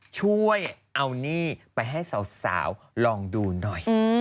ช่วยเอาหนี้ไปให้สาวลองดูหน่อย